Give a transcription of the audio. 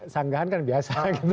sanggahan kan biasa